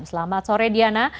selamat sore diana